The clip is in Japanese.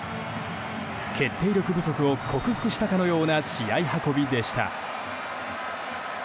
決定力不足を克服したかのような試合運びでした。